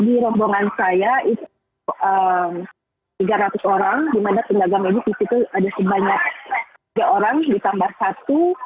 di rombongan saya itu tiga ratus orang dimana tenaga medis itu ada sebanyak tiga orang ditambah satu